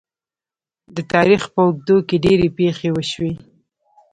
د تاریخ په اوږدو کې ډیرې پېښې وشوې.